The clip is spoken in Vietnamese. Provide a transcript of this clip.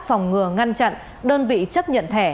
phòng ngừa ngăn chặn đơn vị chấp nhận thẻ